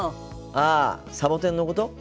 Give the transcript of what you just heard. ああサボテンのこと？